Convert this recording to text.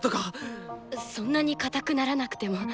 そんなに硬くならなくても。